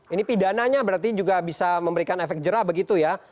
ini pidananya berarti juga bisa memberikan efek jerah begitu ya